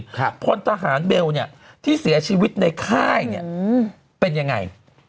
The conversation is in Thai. ศพที่เสียชีวิตในค่ายเป็นยังไง